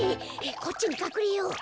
こっちにかくれよう！